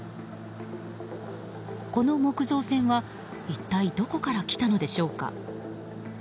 この木造船は一体どこから来たのでしょうか。